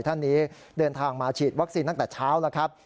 ท่านนี้เดินทางมาฉีดวัคซีนตั้งแต่เช้าแล้วครับ